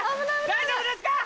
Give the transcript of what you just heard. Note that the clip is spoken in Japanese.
大丈夫ですか！